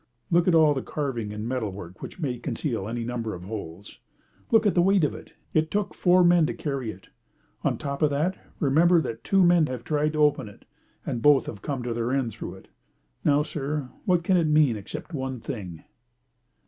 Look at all the carving and metal work which may conceal any number of holes. Look at the weight of it; it took four men to carry it. On top of that, remember that two men have tried to open it, and both have come to their end through it. Now, sir, what can it mean except one thing?"